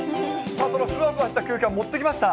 そのふわふわした空間、持ってきました。